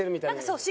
そう。